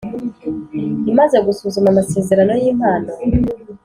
Imaze gusuzuma Amasezerano y Impano